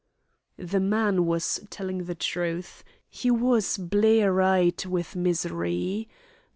The man was telling the truth. He was blear eyed with misery.